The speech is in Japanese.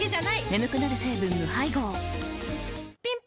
眠くなる成分無配合ぴん